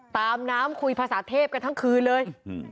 ตามน้ำคุยภาษาเทพกันทั้งคืนเลย